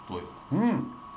うん！